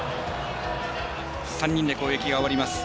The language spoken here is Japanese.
３人で攻撃が終わります。